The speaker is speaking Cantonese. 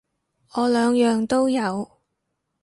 我兩樣都有